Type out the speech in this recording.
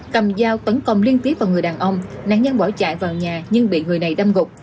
cầm dao tấn công liên tiếp vào người đàn ông nạn nhân bỏ chạy vào nhà nhưng bị người này đâm gục